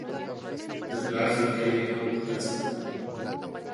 د پلار ځمکه یې هم خرڅه کړه.